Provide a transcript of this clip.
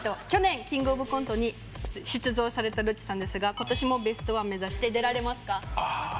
去年キングオブコントに出場されたロッチさんですが今年もベストワン目指して出られますか？